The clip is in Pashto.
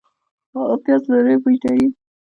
پیاز له لرې بوی لري